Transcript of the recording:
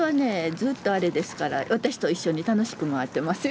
ずっとあれですから私と一緒に楽しく回ってますよ。